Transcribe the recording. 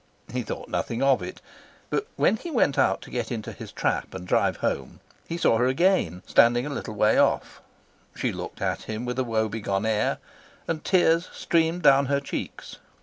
He thought nothing of it, but when he went out to get into his trap and drive home, he saw her again, standing a little way off; she looked at him with a woebegone air, and tears streamed down her cheeks.